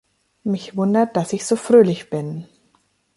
Mich wundert, dass ich so fröhlich bin!